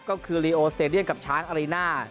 ก็คือลีโอสเตดียมกับช้างอารีน่า